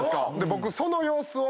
僕その様子を。